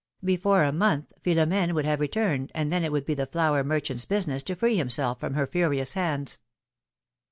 Before a month Philoni^ne would have returned, and then it would be the flour merchant's business to free himself from her furious hands.